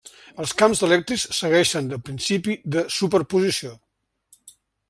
Els camps elèctrics segueixen el principi de superposició.